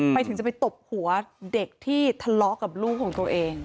ไปถึงจะไปตบหัวเด็กที่ทะเลาะกับลูกของตัวเอง